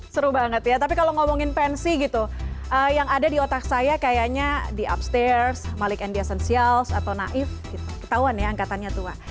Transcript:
seru banget ya tapi kalau ngomongin pensi gitu yang ada di otak saya kayaknya di abstairs malik and the essentials atau naif ketahuan ya angkatannya tua